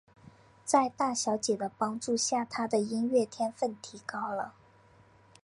在大小姐的帮助下他的音乐天份提高了。